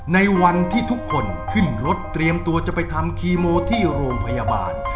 ในวันที่ทุกคนขึ้นรถเตรียมตัวจะไปทำคีโมที่โรงพยาบาล